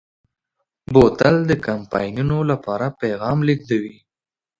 بوتل د کمپاینونو لپاره پیغام لېږدوي.